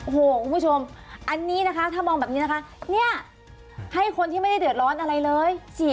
โอ้โหคุณผู้ชมอันนี้นะคะถ้ามองแบบนี้นะคะเนี่ยให้คนที่ไม่ได้เดือดร้อนอะไรเลย